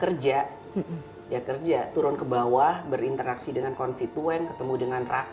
kerja ya kerja turun ke bawah berinteraksi dengan konstituen ketemu dengan rakyat